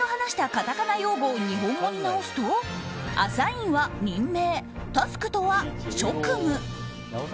カタカナ語を日本語に直すとアサインは任命タスクとは職務。